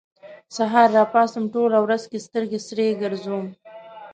سهار راپاڅم، ټوله ورځ کې سترګې سرې ګرځوم